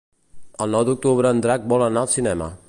El nou d'octubre en Drac vol anar al cinema.